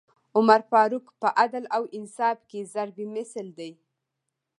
عمر فاروق په عدل او انصاف کي ضَرب مثل دی